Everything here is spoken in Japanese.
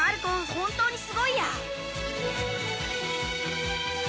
本当にすごいや。